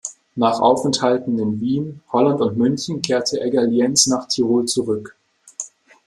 Nach Aufenthalten in Wien, Holland und München kehrte Egger-Lienz nach Tirol zurück.